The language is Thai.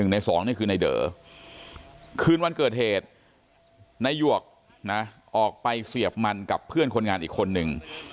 ใน๒นี่คือในเด๋อคืนวันเกิดเหตุนายหยวกนะออกไปเสียบมันกับเพื่อนคนงานอีกคนนึง